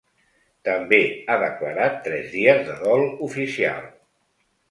També ha declarat tres dies de dol oficial.